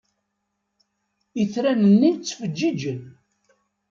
Itran-nni ttfeǧǧiǧen.